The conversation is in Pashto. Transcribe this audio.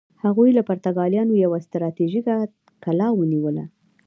هغوی له پرتګالیانو یوه ستراتیژیکه کلا ونیوله.